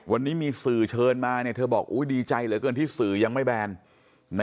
วันนี้มีสื่อเชิญมาเธอบอกดีใจเหลือเกินที่สื่อยังไม่แบน